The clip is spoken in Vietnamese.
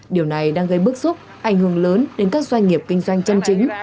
điều này đang gây bức xúc ảnh hưởng lớn đến các doanh nghiệp kinh doanh chân chính